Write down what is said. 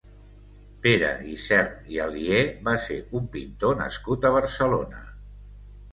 Pere Ysern i Alié va ser un pintor nascut a Barcelona.